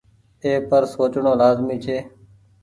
اي پر سوچڻو لآزمي ڇي۔